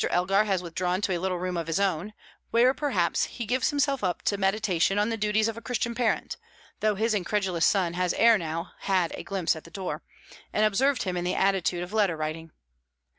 Elgar has withdrawn to a little room of his own, where perhaps, he gives himself up to meditation on the duties of a Christian parent, though his incredulous son has ere now had a glimpse at the door, and observed him in the attitude of letter writing.